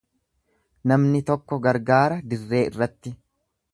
Namni tokko gargaara dirree irratti.